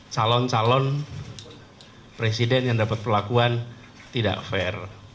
calon calon presiden yang dapat perlakuan tidak fair